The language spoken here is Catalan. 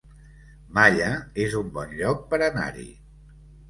Malla es un bon lloc per anar-hi